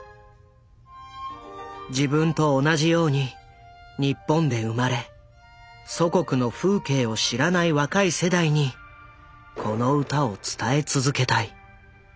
自分と同じように日本で生まれ祖国の風景を知らない若い世代にこの歌を伝え続けたい。